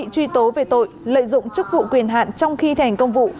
truy tố về tội lợi dụng chức vụ quyền hạn trong khi thành công vụ